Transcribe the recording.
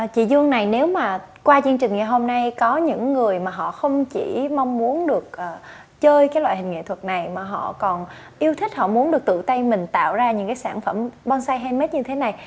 chị dương này nếu mà qua chương trình ngày hôm nay có những người mà họ không chỉ mong muốn được chơi cái loại hình nghệ thuật này mà họ còn yêu thích họ muốn được tự tay mình tạo ra những cái sản phẩm bonsai handmade như thế này